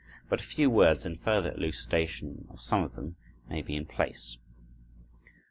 But a few words in further elucidation of some of them may be in place.